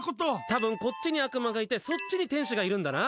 多分こっちに悪魔がいて、そっちに天使がいるんだな。